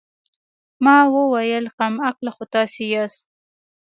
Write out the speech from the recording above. ما وويل کم عقله خو تاسې ياست.